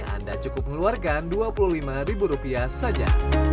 anda cukup mengeluarkan dua puluh lima ribu rupiah saja